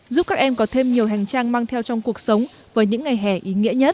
giúp các em có thêm nhiều hành trang mang theo trong cuộc sống với những ngày hè ý nghĩa nhất